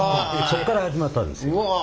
そっから始まったんですよ。